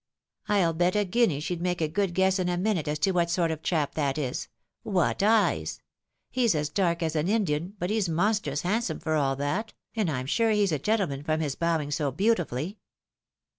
" I'll bet a guinea she'd make a good guess in a minute as to what sort of chap that is — what eyes! He's as dark as an Indian, but he's monstrous handsome for all that, and I'm sure he's a gentleman from his bowing so beautifully."